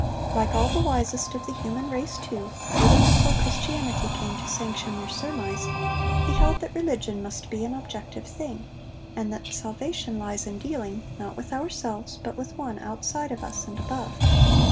Like all the wisest of the human race, too even before Christianity came to sanction their surmise he held that religion must be an objective thing, and that salvation lies in dealing, not with ourselves, but with One outside of us and above.